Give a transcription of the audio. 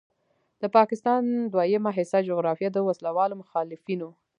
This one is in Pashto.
د پاکستان دریمه حصه جغرافیه د وسلوالو مخالفینو